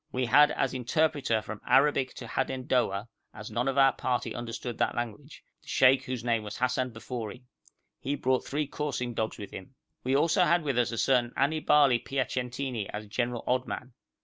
We had as interpreter from Arabic to Hadendowa, as none of our party understood that language, the sheikh whose name was Hassan Bafori. He brought three coursing dogs with him. We had also with us a certain Annibàle Piacentini as general odd man.